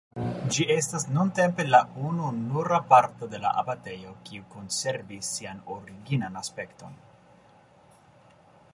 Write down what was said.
Ĝi estas nuntempe la ununura parto de la abatejo kiu konservis sian originan aspekton.